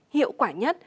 hiệu quả nhất